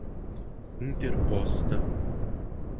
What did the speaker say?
interposta